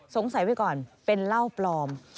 สงสัยไว้ก่อนเป็นเหล้าปลอม